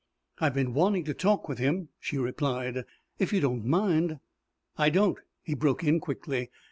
"I've been wanting to talk with him," she replied. "If you don't mind " "I don't," he broke in quickly.